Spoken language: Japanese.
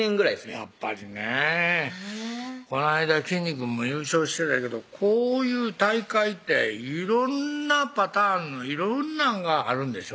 やっぱりねこないだきんに君も優勝してたけどこういう大会って色んなパターンの色んなんがあるんでしょ？